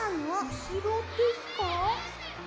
うしろですか？